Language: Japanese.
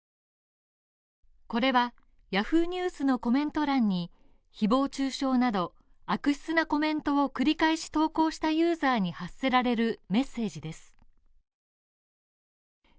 これはＹａｈｏｏ！ニュースのコメント欄に、誹謗中傷など悪質なコメントを繰り返し投稿したユーザーに発せられるメッセージです。